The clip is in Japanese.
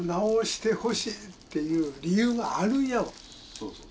そうそう。